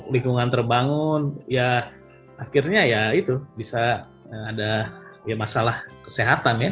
lingkungan terbangun ya akhirnya ya itu bisa ada ya masalah kesehatan ya